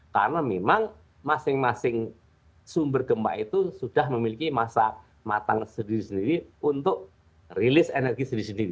karena memang masing masing sumber gempa itu sudah memiliki masa matang sendiri sendiri untuk rilis energi sendiri sendiri